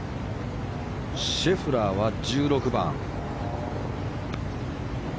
シェフラーは１６番。